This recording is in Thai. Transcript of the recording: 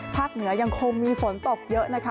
เหนือยังคงมีฝนตกเยอะนะคะ